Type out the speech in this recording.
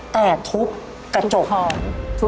แต่ทุบกระจกทุบรถ